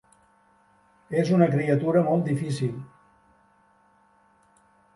És una criatura molt difícil.